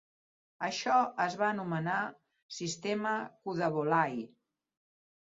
Això es va anomenar sistema "Kudavolai".